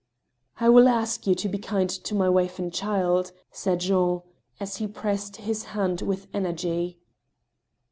" I will ask you to be kind to my wife and child," said Jean, as he pressed his hand with energy.